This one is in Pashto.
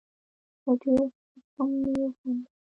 له ډېر خښم مې وخندل.